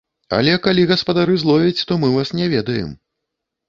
Але калі гаспадары зловяць, то мы вас не ведаем.